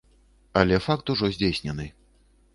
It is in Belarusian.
Але факт ужо здзейснены.